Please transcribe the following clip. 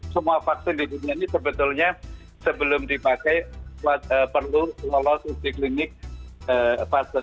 semua vaksin di dunia ini sebetulnya sebelum dipakai perlu lolos uji klinik fase tiga